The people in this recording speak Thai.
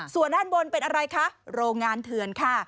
ส่วนด้านบนเป็นอะไรคะโรงงานเถื่อนค่ะ